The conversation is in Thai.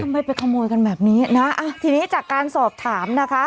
ไปขโมยกันแบบนี้นะทีนี้จากการสอบถามนะคะ